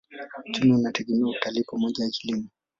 Uchumi unategemea utalii pamoja na kilimo.